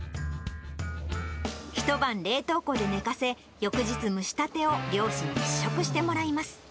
一晩冷凍庫で寝かせ、翌日、蒸したてを両親に試食してもらいます。